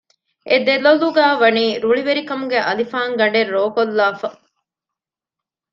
އެދޮލޮލުގައި ވަނީ ރުޅިވެރިކަމުގެ އަލިފާން ގަނޑެއް ރޯކޮށްލާފަ